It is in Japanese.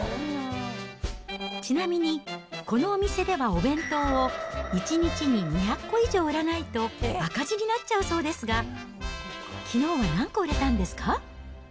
ちなみに、このお店ではお弁当を１日に２００個以上売らないと赤字になっちゃうそうですが、きのうは何個売れたんですか？